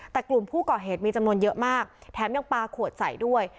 แต่กลุ่มผู้ก่อเหตุมีจำนวนเยอะมากแถมยังปลาขวดใส่ด้วย